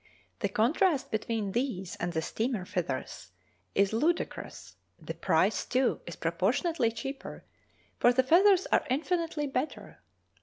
The contrast between these and the steamer feathers is ludicrous; the price, too, is proportionately cheaper, for the feathers are infinitely better.